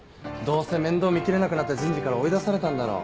どうせ面倒見きれなくなった人事から追い出されたんだろ。